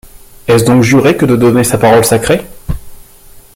Est-ce donc jurer que de donner sa parole sacrée!